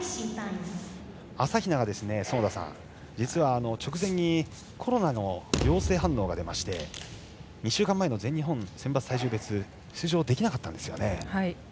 朝比奈が実は、直前にコロナの陽性反応が出まして２週間前の全日本選抜体重別に出場できなかったんですよね。